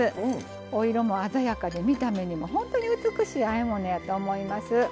お色も鮮やかで見た目にも本当に美しいあえ物やと思います。